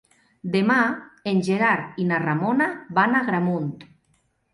Demà en Gerard i na Ramona van a Agramunt.